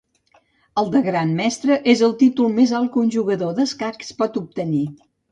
El de Gran Mestre és el títol més alt que un jugador d'escacs pot obtenir.